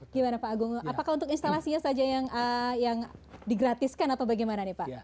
gimana pak agung apakah untuk instalasinya saja yang digratiskan atau bagaimana nih pak